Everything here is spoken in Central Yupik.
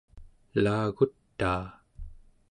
elagutaa